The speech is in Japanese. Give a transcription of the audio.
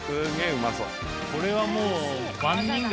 これはもう。